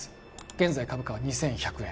現在株価は２１００円